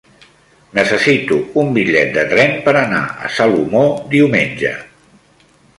Necessito un bitllet de tren per anar a Salomó diumenge.